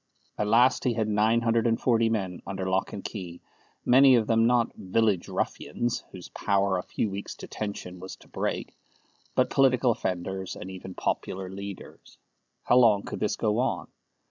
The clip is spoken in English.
At last he had nine hundred and forty men under lock and key, many of them not "village ruffians," whose power a few weeks' detention was to break, but political offenders, and even popular leaders. How long could this go on?